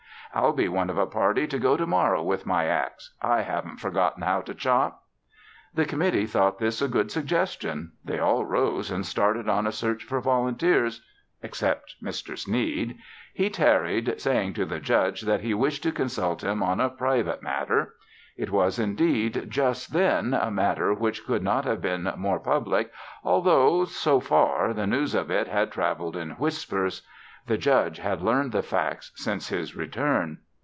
"I'll be one of a party to go to morrow with my axe. I haven't forgotten how to chop." The committee thought this a good suggestion. They all rose and started on a search for volunteers, except Mr. Sneed. He tarried saying to the Judge that he wished to consult him on a private matter. It was, indeed, just then, a matter which could not have been more public although, so far, the news of it had traveled in whispers. The Judge had learned the facts since his return.